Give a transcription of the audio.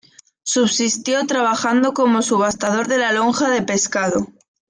Subsistió trabajando como subastador en la lonja del pescado.